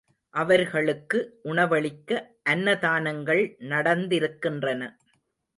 அவர்களுக்கு உணவளிக்க அன்ன தானங்கள் நடத்திருக்கின்றன.